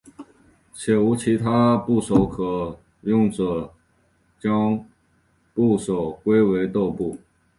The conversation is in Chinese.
且无其他部首可用者将部首归为豆部。